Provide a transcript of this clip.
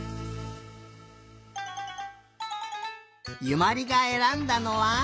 ゆまりがえらんだのは？